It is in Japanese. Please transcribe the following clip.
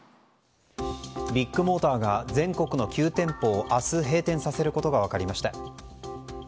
ビッグモーターが全国の９店舗を明日閉店させることが分かりました。